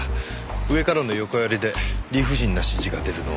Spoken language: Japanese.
上からの横やりで理不尽な指示が出るのは。